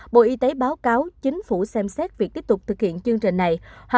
bộ y tế báo cáo